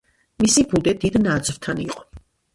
მისი ბუდე დიდ ნაძვთან იყო.